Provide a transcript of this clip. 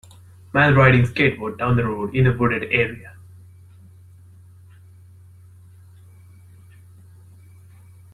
Man riding skateboard down the road in a wooded area.